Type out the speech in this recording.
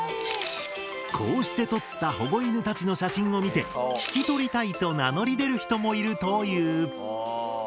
こうして撮った保護犬たちの写真を見て引き取りたいと名乗り出る人もいるという。